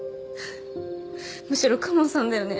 むしろ公文さんだよね？